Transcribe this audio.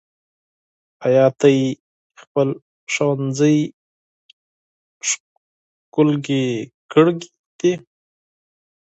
ايا تاسې خپل ښوونځی ښکلی کړی دی؟